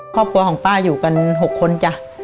ครอบครัวของป้าอยู่กัน๖คนจ้ะ